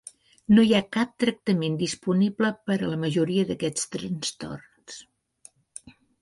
No hi ha cap tractament disponible per a la majoria d'aquests trastorns.